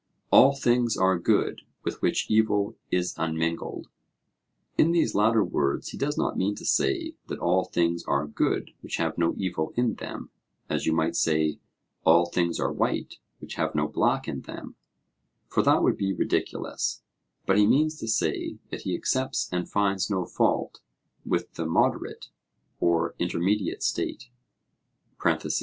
'All things are good with which evil is unmingled.' In these latter words he does not mean to say that all things are good which have no evil in them, as you might say 'All things are white which have no black in them,' for that would be ridiculous; but he means to say that he accepts and finds no fault with the moderate or intermediate state.